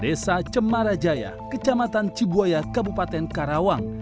desa cemarajaya kecamatan cibuaya kabupaten karawang